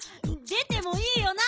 出てもいいよな。